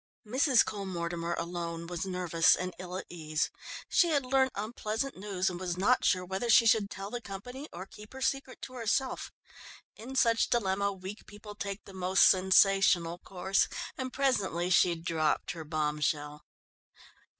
Mrs. Cole Mortimer alone was nervous and ill at ease. She had learnt unpleasant news and was not sure whether she should tell the company or keep her secret to herself. In such dilemma, weak people take the most sensational course, and presently she dropped her bombshell.